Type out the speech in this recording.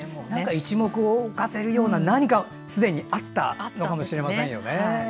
一目を置かせるような何かがすでにあったのかもしれませんね。